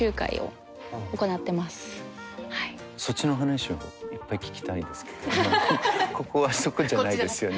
そっちの話いっぱい聞きたいんですけどここはそこじゃないですよね。